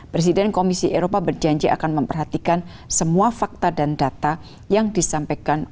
presiden komisi eropa berjanji akan memperhatikan semua fakta dan data yang disampaikan